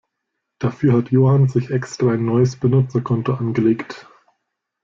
Dafür hat Johann sich extra ein neues Benutzerkonto angelegt.